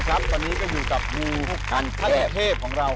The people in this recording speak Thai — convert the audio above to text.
ครับตอนนี้ก็อยู่กับมูขั้นเทพของเรา